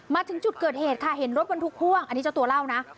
มาถึงจุดเกิดเหตุค่ะเห็นรถบรรทุกพ่วงอันนี้เจ้าตัวเล่านะ